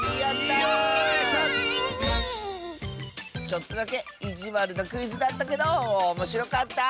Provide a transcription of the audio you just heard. ちょっとだけいじわるなクイズだったけどおもしろかった。